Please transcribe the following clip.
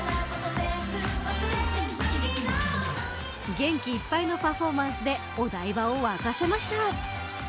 元気いっぱいのパフォーマンスでお台場を沸かせました。